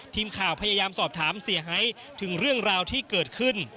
ทีมข่าวพยายามสอบถามเสียหายถึงเรื่องราวที่เกิดขึ้น